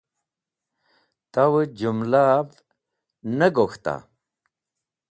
Tawẽ jũmlav ne gok̃hta?